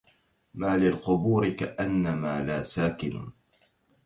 ما للقبور كأنما لا ساكن